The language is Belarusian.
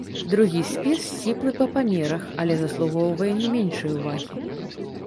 Другі спіс сціплы па памерах, але заслугоўвае не меншай увагі.